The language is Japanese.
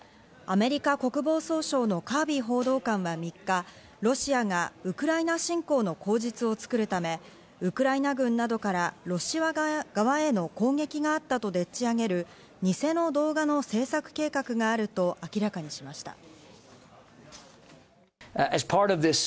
アメリカ国防総省のカービー報道官は３日、ロシアがウクライナ侵攻の口実を作るため、ウクライナ軍などからロシア側への攻撃があったとでっちあげる偽の動画の制作計画があると明らかにしました。